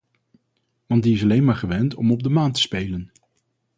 Want die is alleen maar gewend om op de man te spelen.